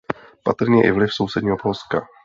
Patrný je i vliv sousedního Polska.